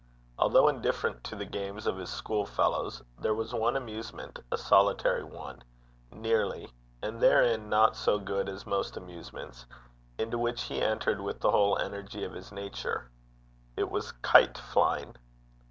Although indifferent to the games of his school fellows, there was one amusement, a solitary one nearly, and therein not so good as most amusements, into which he entered with the whole energy of his nature: it was kite flying.